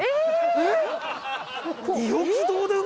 えっ？